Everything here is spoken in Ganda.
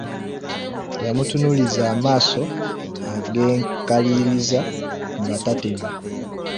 Yamutunuuliza amaaso ag’enkaliriza nga tatemya.